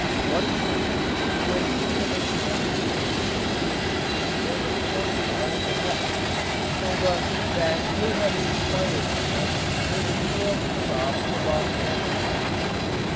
One party, who had seen them encamped the preceding evening more than forty miles ahead, told us that they had inquired of them where the trail turned off to Los Angelos.